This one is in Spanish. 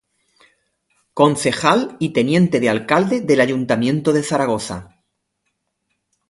Concejal y Teniente de Alcalde del Ayuntamiento de Zaragoza.